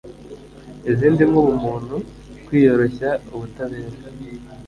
izindi nk'ubumuntu, kwiyoroshya, ubutabera